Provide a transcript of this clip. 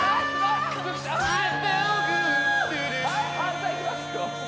はい反対いきますよ